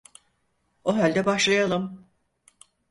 O halde başlayalım.